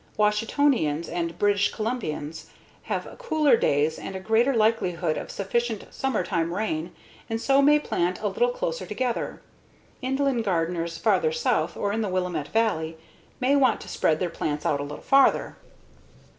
Washingtonians and British Columbians have cooler days and a greater likelihood of significant summertime rain and so may plant a little closer together. Inland gardeners farther south or in the Willamette Valley may want to spread their plants out a little farther.